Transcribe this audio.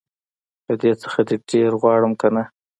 له دې څخه دي ډير غواړم که نه